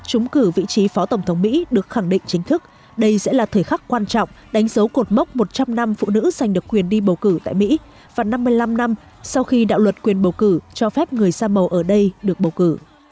đây là một tác phẩm điêu khắc quan trọng đánh dấu cột mốc một trăm linh năm phụ nữ giành được quyền đi bầu cử tại mỹ và năm mươi năm năm sau khi đạo luật quyền bầu cử cho phép người xa màu ở đây được bầu cử